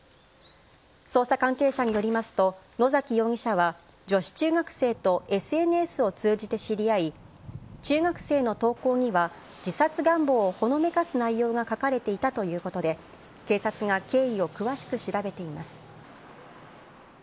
捜査関係者によりますと、野崎容疑者は、女子中学生とＳＮＳを通じて知り合い、中学生の投稿には自殺願望をほのめかす内容が書かれていたということで、警察が経緯を詳しく調べています。